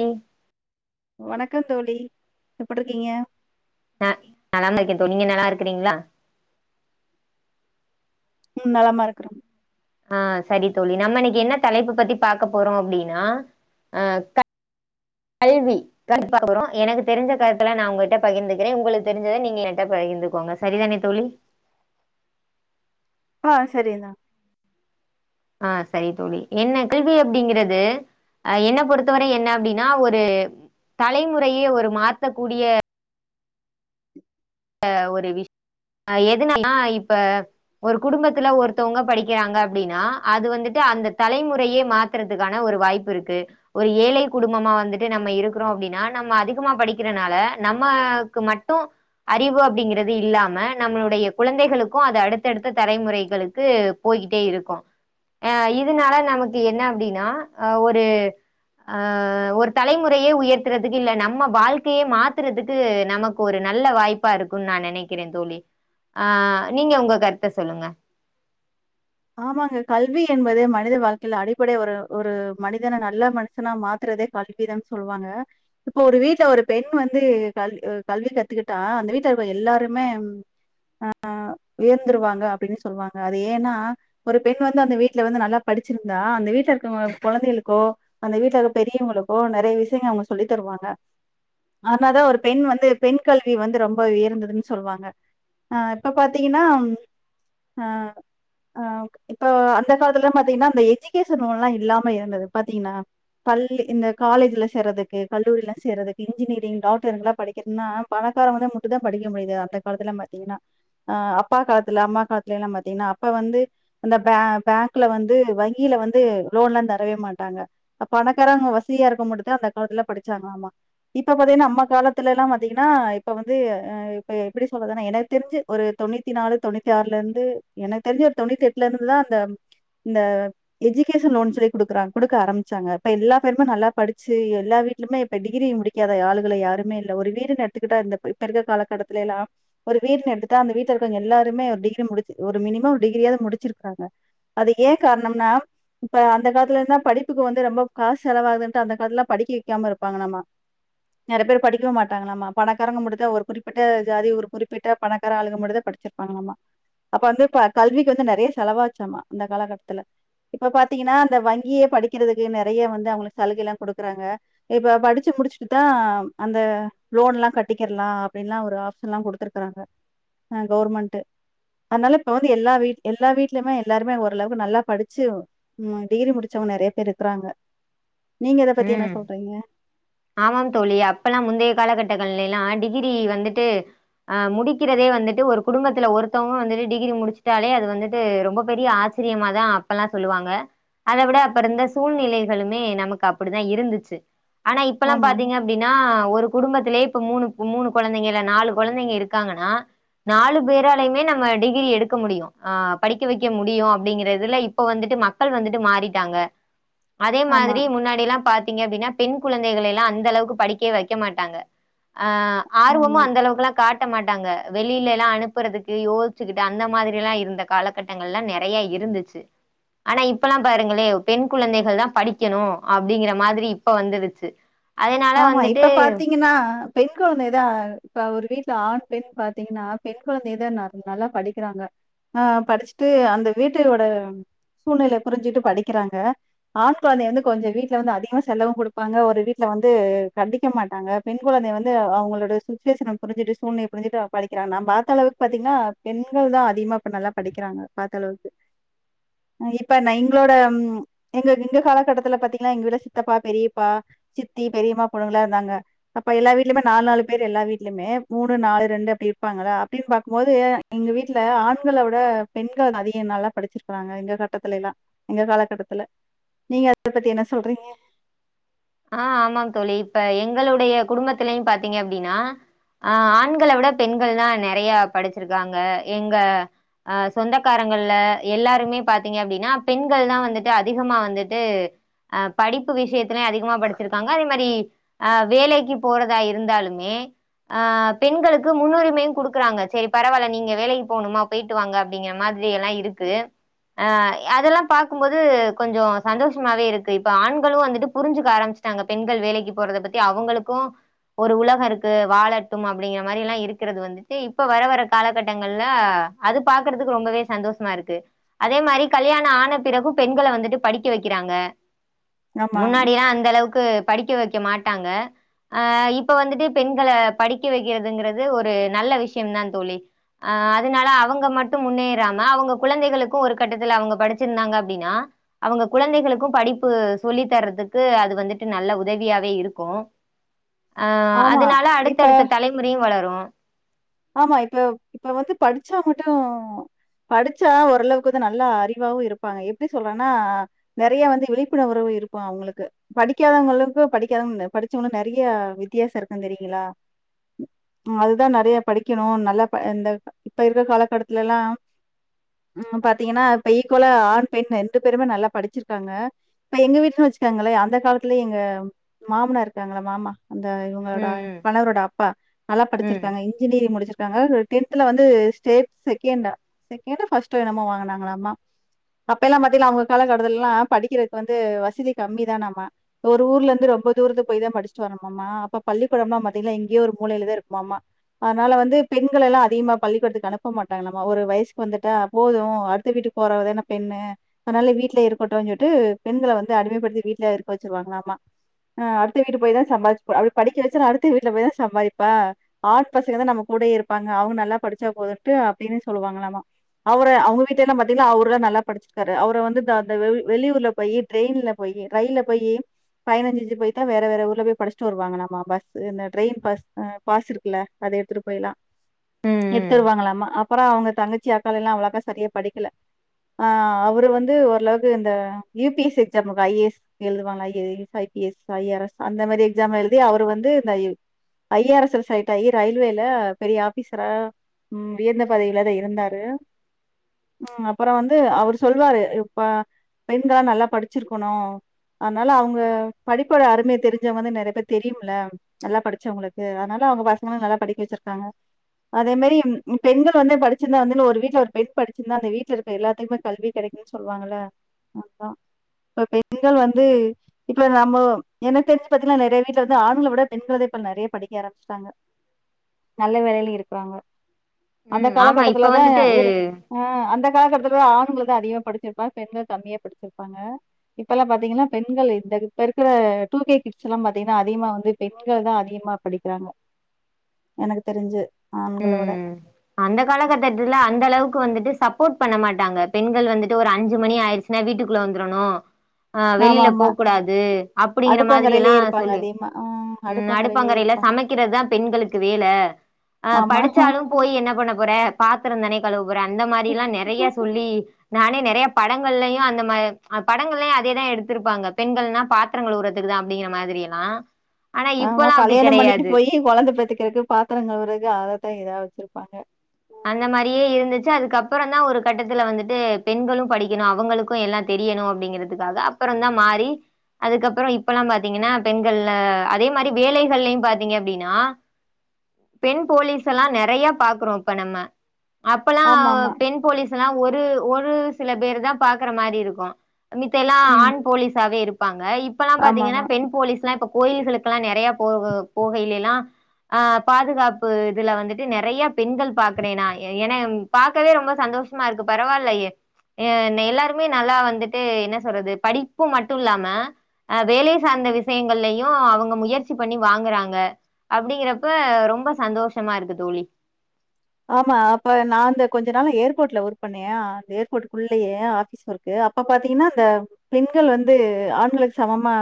உம் வணக்கம் தோழி எப்படி இருக்கீங்க ஏ நல்லா இருக்கேன் தோழி நீங்க நல்லா இருக்கிறீங்களா உம் நலமா இருக்கறேம் ஆஹ் சரி தோழி நம்ம இன்னைக்கு என்ன தலைப்பு பத்தி பாார்கக்க போறோம் அப்படின்னா அஹ் கல்வி க போறோம் எனக்கு தெரிஞ்ச கருத்துல நான் உங்க்கிட்ட பகிர்ந்துக்கிறேன் உங்களுக்கு தெரிஞ்சதை நீங்க என்கிட்ட பகிர்ந்துக்கோங்க சரிதானே தோழி ஆஹ் சரி தா ஆஹ் சரி தோழி என்ன கேள்வி அப்படிங்கறிறது அஹ் என்னை பொறுத்தவரை என்ன அப்படின்னா ஒரு தலைமுறையே ஒரு மாத்தக்க கூடிய ஏ ஒரு விஷ ஆஹ் எதுனாலா இப்ப ஒரு குடும்பத்துல ஒருத்தவங்க படிக்கிறாங்க அப்படின்னா அது வந்துட்டு அந்த தலைமுறையே மாத்துறதுக்கான ஒரு வாய்ப்பு இருக்கு ஒரு ஏழை குடும்பமா வந்துட்டு நம்ம இருக்கிறோம் அப்படின்னா நம்ம அதிகமா படிக்கிறனால நம்மக்கு மட்டும் அறிவு அப்படிங்கிறது இல்லாம நம்மளுடைய குழந்தைகளுக்கும் அது அடுத்தடுத்த தலைமுறைகளுக்கு போயிட்டே இருக்கும் அஹ் இதனால நமக்கு என்ன அப்படின்னா அஹ் ஒரு ஆஹ் ஒரு தலைமுறையே உயர்த்துறதுக்கு இல் நம்ம வாழ்க்கையே மாத்துறதுக்கு நமக்கு ஒரு நல்ல வாய்ப் ப்பா இருக்குன்னு நா நினைக்கிறேன் தோழி ஆஹ் நீங்க உங்க கருத்தை சொல்லுங்க ஆமாங்க கல்வி என்பது மனித வாழ்க்கையில அடிப்படை ஒரு ஒரு மனிதன நல்ல மனுஷனா மாத்துறதே கல்விது சொல்லுவாங்க இப்ப ஒரு வீட்டுல ஒரு பெண் வந்து கல் கல்வி கத்துக்கிட்டா அந்த வீட்டுல இருக்க எல்லாருமே ஆஹ் உயர்ந்துிருவாங்க அப்படின்னு சொல்லுவாங்க அது ஏன்னா ஒரு பெண் வந்து அந்த வீட்டுல வந்து நல்லா படிச்சிருந்தா அந்த வீட்டுல இருக்கவங்க குழந்தைகளுக்கோ அந்த வீட்டுல இருக்க பெரியவங்களுக்கோ நிறைய விஷயங்க அவங்க சொல்லி தருவாங்க அதனாதா ஒரு பெண் வந்து பெண் கல்வி வந்து ரொம்ப உயர்ந்ததுன்னு சொல்லுவாங்க அஹ் இப்ப பாாரத்தீங்கன்னா அஹ் ஆஹ இப்போ அந்த காலத்துல எல்லாம் பாத்தீங்கன்னா அந்த எஜுகேஷன் லோன் எல்லாம் இல்லாம இருந்தது பாத்தீங்கன்னா பல் இந்த காலேஜ்ல செய்றதுக்கு கல்லூரில செய்றதுக்கு இன்ஜினியரிங் டாக்டர்ல்லாம் படிக்கிறதுனா பணக்காரம் வான் மட்டும் தான் படிக்க முடியுது அந்த காலத்துல பாாரத்தீங்கன்னாஹ் அப்பா காத்துல அம்மா காலத்துல எல்லாம் பாத்தீங்கன்னா அப்ப வந்து அ பேங்க்ல வந்து வங்கியில வந்து லோன்லந்து தரவே மாட்டாங்க அப்பணக்காரம்ங்க வசதியா இருக்க முட்டது அந்த காலத்துல படிச்சாங்க ஆமா இப்ப பாத்தீங்கன்னா நம்ம காலத்துல எல்லாம் பாத்தீங்கன்னா இப்ப வந்துஹ இப்ப எப்படி சொல்றதுன்னா எனக்கு தெரிஞ்சு ஒரு தொண்ணூத்தி நாலு தொண்ணூத்தி ஆறுல இருந்து எனக்கு தெரிஞ்சு தொண்ணூத்தி எட்டுல இரு அ எஜுகேஷன் லோன் சொல்லிடுக்கறங்க குடுக்க ஆரம்பிச்சாங்க இப்ப எல்லா பேருமே நல்லா படிச்சு எல்லா வீட்டுலுமேப்ப டிகிரி முடிக்காத ஆளு்களை யாருமே இல்ல ஒரு வீடுனு எடுத்துக்கிட்டா இப்ப இருக்கற காலகட்டத்தல எல்லா ஒரு வீனு எடுத்துட்டா அந்த வீட்டு இருக்கவங்க எல்லாருமே ஒரு டிகிரி முடிச்ச ஒரு மினிமம் டிர முடிச்சிருக்காங்க அது ஏன் காரணம்னா இப்ப அந்த காலத்து இருந்த படிப்புக்கு வந்து ரொம்ப காசு செலவாகது அந்த கால படிக்க வைக்காம இருப்பாங்க நம்ம நிறைய பேர் படிக்க மாட்டாங்கள பணக்காரங்க மட்டுதா குறிப்பிட்ட ஜாதி ஒரு குறிப்பிட்ட பணக்கார ஆளு முடிாத படிச்சிருப்பாங்கள அப்ப வந்து கல்விக்கு வந்து நைய செலவா வச்சாமா அந்த காலகட்டத்துல இப்ப பாத்தீங்கன்னா அந்த வங்கியே படிக்கிறதுக்கு நிறைய வந்து அவங்களுக்கு சலுகை எல்லாம் கொடுக்கறாங்க இப்ப படிச்சு முடிச்சட்டுதா அந்த லோன் எல்லாம் கட்டிக்கலாம் அப்படின்ல்ல ஒரு ஆப்ஷன்ல்ல கொடுத்துருக்கறாங்க அ கவுர்மெண்ட் அதனால இப் எல்லா வீ எல்லா வீட்லயுமே எல்லாருமே ஓரளவுக்கு நல்லா படிச்சு உ டிகிரி முடிச்சவங்க நிறைய பேர் இருக்கிறாங்க நீங்க இதை பத்தி என்ன ம் சொல்றீங்க ஆமாம் தோழி அப்பல்லாம் முந்தைய காலகட்டங்கள்ல எல்லாம் டிகிரி வந்துட்டு அஹ் முடிக்கிறதே வந்துட்டு ஒரு குடும்பத்துல ஒருத்தவங்க வந்துட்டு டிகிரி முடிச்சுட்டாலே அது வந்துட்டு ரொம்ப பெரிய ஆச்சரியமாதா அப்பெல்லாம் சொல்லுவாங்க அதை விட அப்ப இருந்த சூழ்நிலைகளுமே நமக்கு அப்படிதா இருந்துச்சு ஆனா இப்பல்லாம் ஆமாமா. பாத்தீங்க அப்படின்னா ஒரு குடும்பத்திலயே இப்ப மூணு மூணு குழந்தைங்க நாலு குழந்தைங்க இருக்காங்கன்னா நாலு பேராலையுமே நம்ம டிகிரி எடுக்க முடியும் ஆஹ் படிக்க வைக்க முடியும் அப்படிங்கறிறதுல இப்ப வந்துட்டு மக்கள் வந்துட்டு மாறிட்டாங்க அதே ஆமா, ஆமா. மாதிரி முன்னாடி எல்லாம் பாத் ங்க அப்டினா பெண் குழந்தைகளையெல்லா அந்த அளவுக்கு படிக்கவே வைக்க மாட்டாங்க ஆ ஆர்வமு ஆமா, அந்த அளவுக்குல்லா காட்ட மாட் டாங்க வெளில எல்லா அனுப்புறதுக்கு யோசிச்சுக்கிட்டு அந்த மாதிரி லா இருந்த காலகட்டங்கள் எல்லா நெறைய இருந்துச்சு ஆனா இப்பல்லா பாருங்களே பெண் குழந்தைகள் தா படிக்கணு அப்டிங்ற மாதிரி இப்ப வந்துச் ச் ஆமா இப்ப பாத்தீங்கன்னா பெண் குழந்தைதா இப்ப ஒரு வீட்ல ஆண் பெண் பாத்தீங்கன்னா பெண் குழந்தைதா நல்லா படிக்கிறாங்க ஆ படிச்சுட்டு அந்த வீட்டோட சூழ்நிலை புரிஞ்சுட்டு படிக்கிறாங்க ஆண் குழந்தைய வந்து கொஞ்ச வீட்ல வந்து அதிகமா செல்லமு குடுப்பாங்க ஒரு வீட்ல வந்து து கண்டிக்க மாட்டாங்க பெண் குழந்தை வந்து அவங்களோட சுச்சுவேஷன புரிஞ்சிகிட்டு சூழ்நிலைய புரிஞ்சிகிட்டு அவ படிக்கிறா நா பாத்தளவுக்கு பாத்தீங்கன்னா பெண்கள் தா அதிகமா நல்லா இப்ப படிக்கிறாங்க பாத்தளவுக்கு இப்ப எங்களோட ம் எங்க எங்க காலகட்டத்துல பாத்திங்கனா எங்க வீட்ல சித்தப்பா பெரியப்பா சித் த்தி பெரியம்மா பொண்ணுங்க எல்லா இருந்தாங்க அப்ப எல்லா வீட்டுலயுமே நாலு நாலு பேர் எல்லா வீட்லயுமே மூணு நாலு ரெண்டு அப்டி இருப்பாங்களா அப்டின்னு பாக்கும்போது எங்க வீட்ல ஆண்கள விட பெண்கள் அதிக நல்லா படிச்சிருக்கிறாங்க எங்க கட்டத்துல எல்லா எங்க காலகட்டத்துல நீங்க அத பத்தி என்ன சொல்றீங்க ஆ ஆமாங் தோழி இப்ப எங்களுடைய குடும்பத்திலையு பாத்தீங்க அப்டின்னா அ ஆண்கள விட பெண்கள் தா நெறைய படிச்சிருக்காங்க எங்க அ சொந்தக்காரங்கள்ல எல்லாருமே பாத்தீங்க அப்டின்னா பெண்கள் தா வந்துட்டு அதிகமா வந்துட்டு அ படிப்பு விஷயத்திலு அதி அ வேலைக்கு போறதா இருந்தாலுமே ஆ பெண்களுக்கு முன்னுரிமையு குடுக்குறாங்க சேரி பரவாயில்ல நீங்க வேலைக்கு போணுமா போயிட்டு வாங்க அப்டிங்கிற மாரி எல்லா இருக்கு ஆ அதெல்லா பாக்கும்போது கொஞ்சோ சந்தோஷமாவே இருக்கு இப்ப ஆண்களு வந்துட்டு புரிஞ்சு ஆரம்பிச்சிட்டாங்க பெண்கள் வேலைக்கு போறத பத்தி அவங்களுக்கு ஒரு உலக இருக்கு வாழட்டும் அப்டிங்கிற மாரி எல்லா இருக்கிறது வந்துட்டு இப்ப வர வரற காலகட்டங்கள்ல அது பாக்குறதுக்கு ரொம்பவே சந்தோஷமா இருக்கு அதே மாரி கல்யாணம் ஆன பிறகும் பெண்கள வந்துட்டு படிக்க வைக்கிறாங்க ஆமா முன்னாடியெல்லா அ க்கு படிக்க வைக்க மாட்டாங்க அ இப்ப வந்துட்டு பெண்கள படிக்க வைக்கிறதுங்றது ஒரு நல்ல விஷயம் தா தோழி அ அதனால அவங்க மட்டும் முன்னேறாம அவங்க குழந்தைகளுக்கு ஒரு கட்டத்துல அவங்க படிச்சிருந்தாங்க அப்டின்னா அவங்க குழந்தைகளுக்கும் படிப்பு சொல்லி தர்றதுக்கு அது வந்துட்டு நல்ல உதவியாவே இருக்கும் அ ஆமா அதனால இப்ப அடுத்தடுத்த தலைமுறையும் வளரு ஆ ஆமா இப்ப இப்ப வந்து படிச்சா மட்டு படிச்சா ஓரளவுக்கு வந்து நல்ல அறிவாவு இருப்பாங்க எப்டி சொல்றேன்னா நெறைய வந்து விழிப்புணர்வு இருக்கும் அவங்களுக்கு படிக்காதவங்களுக்கும் படிக்காதவங்க படிச்சவங்கக்கு நெறைய வித்தியாசம் இருக்குன்னு தெரியுங்களா அதுதா நெறைய படிக்கணு நல்லா இந்த இப்ப இருக்க காலக்கட்டத்லலா ம் பாத்தீங்கன்னா ஈக்குவல்லா ஆண் பெண் ரெண்டு பேருமே நல்லா படிச்சிருக்காங்க இப்ப எங்க வீட்ல வச்சுக்கங்களே அந்த காலத்துலயே எங்க மாமனார் இருக்காங்கள மாமா அந்த இவங்களோட ம், கணவரோட அப் ப்பா நல்லா ம், ம், படிச்சிருக்காங்க டிகிரி முடிச்சிருக்காங்க டென்தல வந்து ஸ்டேட்ஸ் செகண்டா செகண்டோ பஸ்டோ என்னமோ வாங்கனாங்களாமா அப்ப எல்லா பாத்தீங்கனா அவங்க காலகட்டத்துல லா படிக்கிறதுக்கு வந்து வசதி கம்மி தானாம்மா ஒரு ஊர்ல இருந்து ரொம்ப தூரத்து போய் தா படிச்சட்டு வரணுமாம்மா அப்ப பள்ளிக்கூடம்லா பாத்தீங்கா எங்கையே ஒரு மூலையிலதா இருக்குமாம்மா அதனால வந்து பெண்கள எல்லா அதிகமா பள்ளிக்கூடத்துக்கு அனுப்ப மாட்டாங்களலாம்மா ஒரு வயசுக்கு வந்துட்டா போதும் அடுத்த வீட்டுக்கு போறவதான பெண்ணு அதனால வீட்லே இருக்கட்டும்ன்னு சொல்லிட்டு பெண்கள வந்து அடிமைப்படுத்தி வீட்லே இருக்க வச்சிருவாங்களலாமா அ அடுத்த வீட்ல போய்தா சம்பாதிச் அப்டி படிக்க வச்சாலும் அடுத்த வீட்டுல போய் தா சம்பாதிப்பா ஆ பசங்க தா நம்ம கூடயே இருப்பாங்க அவங்க நல்லா படிச்சா போதுட்டு அப்டின்னு சொல்லுவாங்களாமா அவரை அவங்க வீட்ல லா பாத்தீங்கன்னா அவரு தா நல்லா படிச்சிருக்காரு அவர் வந்து வெளியூர்ல போய் ட்ரெயின்ல போய் ரயில்ல போய் பயணஞ்செஞ்சி போயி தா வேற வேற ஊர்ல போய் படிச்சுட்டு வருவாங்களாமா பஸ் இந்த ட்ரெயின் பஸ் பாஸ் இருக்குல அத எடுத்துட்டு போயலா ம், ம், எடுத்துடுவாங்களமா அப்பற அவங்க தங்கச்சி அக்காள எல்லா அவளாக்கா சரியா படிக்கல ஆ அவரு வந்து ஓரளவுக்கு இந்த யூபிஎஸ் எக்ஸாமுக்கு ஐஏஎஸ் எழுதுவாங்கல ஐஸ் ஐபிஎஸ் ஐஆஎஸ் அந்த மாரி எக்ஸாம் எழுதி அவர் வந்து இந்த ஐஆர்எஸ் ல செலக்டாகி ரயில்வேல பெரிய ஆபீசரா உயர்ந்த பதவில இருந்தாரு அப்றோ வந்து அவர் சொல்வாரு இப்ப பெண்கள்லா நல்லா படிச்சிருக்கணு அதனால அவங்க படிப்போட அருமையை தெரிஞ்சவங்க நெறைய பேர தெரியும்ல நல்லா படிச்சவங்களுக்கு அதனால அவங்க நல்லா படிக்க வச்சிருக்காங்க அதே மேரி பெண்கள் வந்து படிச்சிருந்தா வந்து ஒரு வீட்டுல ஒரு பெண் படிச்சிருந்தா அந்த வீட்டுல இருக்க எல்லாத்துக்குமே கல்வி கெடைக்குனு சொல்லுவாங்கல அதா இப்ப பெண்கள் வந்து இப்ப நம்ம எனக்கு தெரிஞ்சு பாத்தீங்கன்னா நெறைய வீட்ல வந்து ஆண்கள விட பெண்கள்தா இப்ப நெறைய படிக்க ஆரம்பிச்சட்டாங்க நல்ல வேலையில இருக்றாங்க அந்த ம். ஆமா இப்ப காலகட்டத்துலதா வந்துட்டு இவரு ஆ அந்த காலக்கட்டத்துலதா ஆண்கள்தா அதிகமா படிச்சிருப்பாங்க பெண்கள் கம்மியா படிச்சிருப்பாங்க இப்ப எல்லா பாத்தீங்கன்னா பெண்கள் இந்த இப்ப இருக்கற டூ கே கிட்ஸ் எல்லா பாத்தீங்கன்னா அதிகமா வந்து பெண்கள் தா அதிகமா படிக்றாங்க எனக்கு தெரிஞ்சு ஆண்களோட ம் அந்த காலகட்டத்துல அந்த அளவுக்கு வந்துட்டு சப்போர்ட் பண்ண மாட்டாங்க பெண்கள் வந்துட்டு ஒரு அஞ்சு மணி ஆயிருச்சுனா வீட்டுக்குள்ள வந்துரணு ஆ ஆமா வெளில ஆமா போக்கூடாது அப்டிங்கிற அடுப்பங்கரையிலயே மாதிரியெல்லாம் இருப்பாங்க சொல்லு அதிகமா ஆ ம் அடுப்பங்கரையிலயே அடுப்பங்கரையில இருப்பாங்க சமைக்கிறதுதா பெண்களுக்கு வேலை அ படிச்சாலு ஆமா போய் என்ன போற பாத்திரந்தானே கழுவ போற அந்த மாரில்லா நெறைய சொல்லி நானே நெறைய படங்கள்லையு அந்த மா படங்கள்லையு அதேதா எடுத்துருப்பாங்க பெண்கள்னா பாத்திரங் கழுவுறதுக்குதா அப்டிங்கற மாதிரியெல்லா ஆமா கல்யாணம் பண்ணிட்டு போய் கொழந்த பெத்துக்கிறக்கு பாத்திரங்கழுவுறக்கு அதத்தா இதாவ வச்சிருப்பாங்க அந்த மாரியே இருந்துச்சு அதுக்கப்பறந்தா ஒரு கட்டத்துல வந்துட்டு பெண்களும் படிக்கணு அவங்களுக்கும் எல்லா தெரியணு அப்டிங்கறதுக்காக அப்பறந்தா மாறி அதுக்கப்பற இப்பல்லா பாத்தீங்கன்னா பெண்கள்ல அதே மாரி வேலைகள்லையு பாத்தீங்க அப்டின்னா பெண் போலீஸ் எல்லா நெறைய பாக்குறோ அப்ப நம்ம அப்பல்லா ஆமாமா. பெண் போலீஸ் ல்லா ஒரு ஒரு சில பேரு தா பாக்குற மாரி இருக்கோ மித்த எல்லா ம். ஆண் போலீஸாவே இருக் இப்பல்லா பாத்தீங்கன்னா ஆமாமா. பெண் போலீஸ்லா இப்ப கோயில்களுக்கெல்லா நெறைய போக போகையிலல்லா அஹ் பாதுகாப்பு இதுல வந்துட்டு நெறைய பெண்கள் பாக்குறே நா ஏ ந பாக்கவே ரொம்ப சந்தோஷமா இருக்கு பரவால்லையே அஹ் எல்லாருமே நல்லா வந்துட்டு என்ன சொல்றது படிப்பும் மட்டும் இல்லாம அஹ் வேலை சார்ந்த விஷயங்கள்லையும் அவுங்க முயற்சி பண்ணி வாங்குறாங்க அப்டிங்கிறப்ப ரொம்ப சந்தோஷமா இருக்கு தோழி ஆமா அப்ப நா இந்த கொஞ்ச நாள ஏர்போர்ட்ல ஒர்க் பண்ணேனா ஏர்போர்டுக்குள்ளயே ஆபீஸ் ஒர்க்க அப்ப பாத்தீங்கன்னா அந்த பெண்கள் வந்து ஆண்களுக்கு சமமா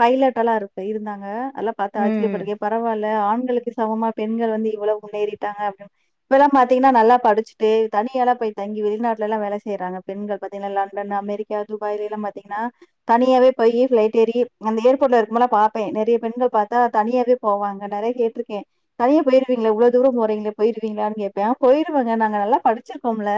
பைலட்டலா இருக்கு இருந்தாங்க தெல்லாம் பாத்து ம் ஆச்சரியப்பட்டிக்கே எ பரவாயல ஆண் பெண்களுக்கு சமமா பெண்கள் வந்து எவ்வளோ முன்னேறிட்டாங்க அப்டின் இப்பெல்லாம் பாத்தீங்கன்னா நல்லா படிச்சுட்டு தனியால்லா போய் தங்கி வெளிநாட்டெல்லா வேலை செய்யறாங்க பெண்கள் பாத்தீங்கன்னா லண்டன் அமெரிக்கா துபாய்லேல்லா பாத்தீங்கன்னா தனியாவே போய் ஃபிளைட் ஏறி அந்த ஏர்போர்ட் இருக்கும்போலா பாபே நெறைய பெண்கள் பாத்தா தனியாவே போவாங்க நெறைய கேட்டுக்கே தனியா போயிருவீங்கள இவ்ளோதூரம் போறீங்களே போயிருவீங்களனு கேப்பே போயிருவேங்க நாங்க நல்லா படிச்சிருக்கோம்ல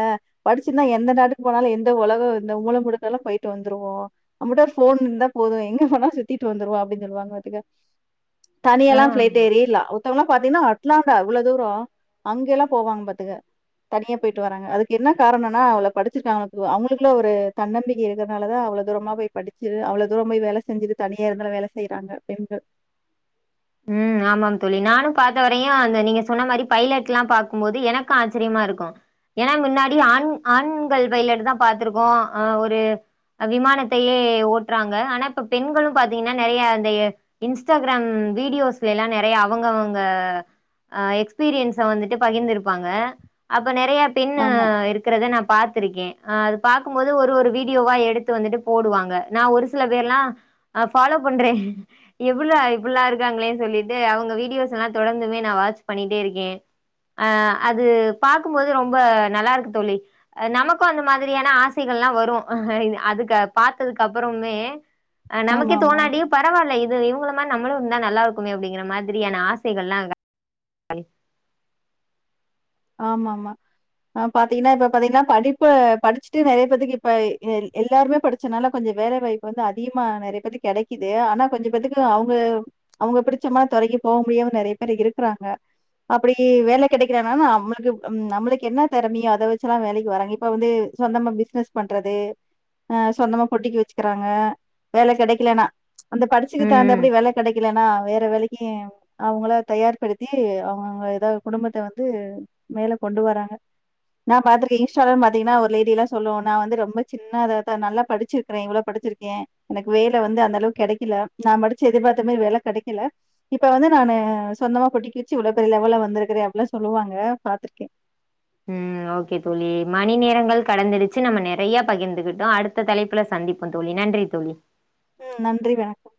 படிச்சிருந்தா எந்த நாட்டுக்கு போனாலும் எந்த உலகம் எந்த மூல முடுக்கெல்லா போயிட்டு வந்துருவோ நம்மிட்ட ஒரு ஃபோன் இருந்தா போதும் எங்க போனாலு சுத்திட்டு வந்துருவோ அப்டின்னு சொல்லுவாங்க பாத்துக்க தனியால்லா ஆ ஃப்ளைட் ஏறில்லா மத்தவங்களாம் பாத்தீங்கன்னா அட்லாண்டா எவ்ளோதூரோ அங்க எல்லா போவாங்க பாத்துங்க தனியா போயிட்டு வராங்க அதுக்கு என்ன காரணம்னா அவளோ படிச்சிருக்காங்க அவுங்களுக்குள்ள ஒரு தன்னம்பிக்க இருக்கிறதுனால தா அவ்ளோ தூரமா போய் படிச்சு அவ்ளோ தூரம் போய் வேலை செஞ்சுட்டு தனியா இருந்தாலும் வேலை செய்யறாங்க பெண்கள் உம் ஆமாம் தோழி நானு பாத்த வரையு அந்த நீங்க சொன்ன மாரி பைலட்லா பாக்கும் போது எனக்கூ ஆச்சரியமா இருக்கூ ஏன்னா முன்னாடி ஆண் ஆண்கள் பைலட் தா பாத்திருக்கோ ஆஹ் ஒரு விமானத்தையே ஓட்டுறாங்க ஆனா இப்ப பெண்களும் பாத்தீங்கன்னா நெறைய அந்த இன்ஸ்டாகிராம் வீடியோஸ்லல்லா நெறைய அவுங்க அவுங்க எக்ஸ்பீரியன்ஸ் வந்துட்டு பகிர்ந்துருப்பாங்க அப் இப்ப நேறைய பெண் ஆமா. இருக்கறது நா பாத்திருக்கே அது பாக்கும்போது ஒரு ஒரு வீடியோவா எடுத்து வந்துட்டு போடுவாங்க நா ஒரு சில பேர்லா ஃபாலோ பண்றே எப்புட்றா இப்டியெல்லா இரு இருக்காங்களே சொல்லிட்டு அவுங்க வீடியோஸ் எல்லா தொடர்ந்துமே நா வாட்ச் பண்ணிட்டே இருக்கே அஹ் அது பாக்கும் போது ரொம்ப நல்லா இருக்கு தோழி நமக்கோ அந்த மாதிரியான ஆசைகள்லா வரோ அதுக்கு பாத்ததுக்கு அப்புறமே அஹ் நமக்கே ஆமாமா. தோணாட்டியு பரவால்ல இது இவுங்க மா நம்மலு நல்லா இருக்குமே அப்டிங்கிற மாரியான ஆசைகள்லா ஆமா ஆமா பாத்தீங்கன்னா இப்ப பாத்தீங்கன்னா படிப்பு படிச்சுட்டு நெறைய பேத்துக்கு இப்ப எல்லாருமே படிச்சதுனால கொஞ்சோ வேலை வாய்ப்பு வந்து அதிகமா நெறைய பேத்துக்கு கெடைக்குது ஆனா கொஞ்சோ பேத்துக்கு அவுங்க அவுங்க பிடிச்சமான துரைக்கி போக முடியாம நெறைய பேர் இருக்கறாங்க அப்டி வேலை கிடைக்கிலனா நம்மளுக்கு நம்மளுக்கு என்ன திறமையோ அத வெச்சிதா வேலைக்கு வராங்க இப்ப வந்து சொந்தமா பிசினஸ் பண்றது ஆ சொந்தமா பொட்டிக்கு வெச்சிக்கிறாங்க வேலை கிடைக்கலன்னா அந்த படிச்சிக்கு தகுந்த ம் படி வேலைக் கிடைக்கலன்னா வேற வேலைக்கும் அவுங்கள தயார்படுத்தி அவுங்க ஏதாவது குடும்பத்த வந்து வேல கொண்டு வர்றாங்க நா பாத்திருக்கே இன்ஸ்டாலல்லா பாத்தீங்கன்னா ஒரு லேடில்லா சொல்லுவோ நா வந்து ரொம்ப சின்னததா நல்லா படிச்சிருக்கிறே இவ்ளோ படிச்சிருக்கே எனக்கு வேல வந்து அந்த அளவுக்கு கிடைக்கல நா படிச்சு எதிர்பாத்த மாரி வேலைகிடைக்கல இப்ப வந்து நா சொந்தமா போட்டிக் வெச்சு இவ்ளோ பெரிய லெவலா வந்திருக்கே அப்டின்லா சொல்லுவாங்க பாத்திருக்கே உம் ஓகே தோழி மணி நேரங்கள் கடந்துடுச்சு நம்ம நெறைய பகிர்ந்துகிட்டோ அடுத்த தலைப்புல சந்திப்போம் தோழி நன்றி தோழி உம் நன்றி வணக்கம்